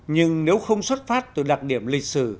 nhưng nếu không xuất phát từ đặc điểm lịch sử